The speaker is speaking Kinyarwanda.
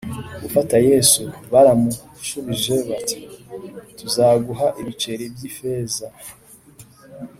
gufata Yesu Baramushubije bati tuzaguha ibiceri byi ifeza